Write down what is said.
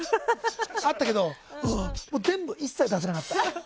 あったけど全部、一切出せなかった。